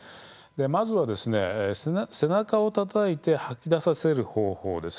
まず、背中をたたいて吐き出させる方法です。